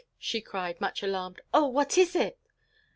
she cried, much alarmed. "Oh! What is it?"